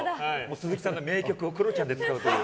鈴木さんの名曲をクロちゃんで使うという。